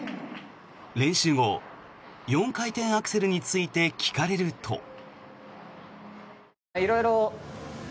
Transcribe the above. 練習後、４回転アクセルについて聞かれると。